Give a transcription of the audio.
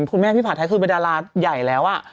คุณแม่พี่หาดท้ายคือเป็นดาราใหญ่แล้ว